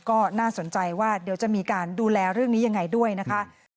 ก็น่าสนใจว่าเดี๋ยวจะมีการดูแลเรื่องนี้ยังไงด้วยนะคะ